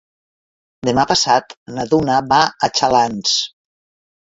Demà passat na Duna va a Xalans.